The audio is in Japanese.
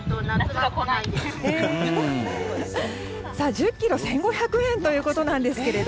１０ｋｇ１５００円ということですが。